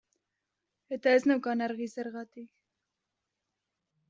Eta ez neukan argi zergatik.